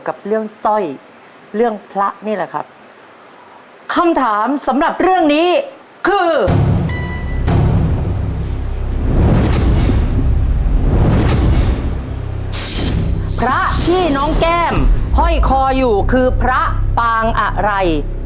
ก็จะเป็นพ่อแม่เขาหามาให้